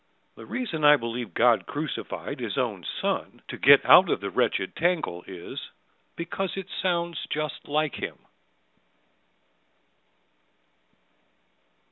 (The reason I believe God crucified His Own Son To get out of the wretched tangle is, because it sounds just like Him.